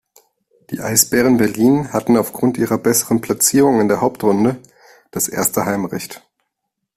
Die Eisbären Berlin hatten aufgrund ihrer besseren Platzierung in der Hauptrunde das erste Heimrecht.